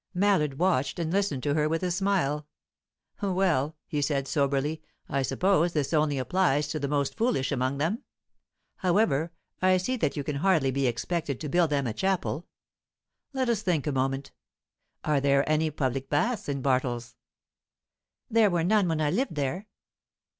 Mallard watched and listened to her with a smile. "Well," he said, soberly, "I suppose this only applies to the most foolish among them. However, I see that you can hardly be expected to build them a chapel. Let us think a moment. Are there any public baths in Bartles?" "There were none when I lived there."